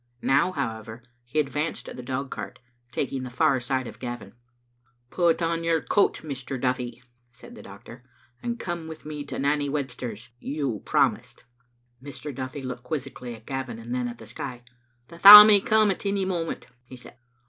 Now, however, he advanced to the dog cart, taking the far side of Gavin. "Put on your coat, Mr. Duthie," said the doctor, " and come with me to Nanny Webster's. You prom ised." Mr. Duthie looked quizzically at Gavin, and then at the sky. "The thaw may come at any moment," he said.